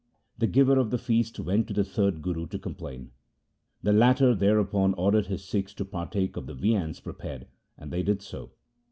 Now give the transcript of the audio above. The giver of the feast went to the third Guru to complain. The latter thereupon ordered his Sikhs to partake of the viands prepared, and they did so.